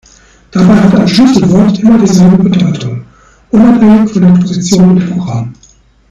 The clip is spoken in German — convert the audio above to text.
Dabei hat ein Schlüsselwort immer dieselbe Bedeutung, unabhängig von der Position im Programm.